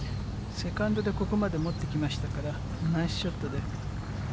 セカンドでここまで持ってきましたから、ナイスショットで。